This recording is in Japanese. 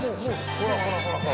ほらほらほらほら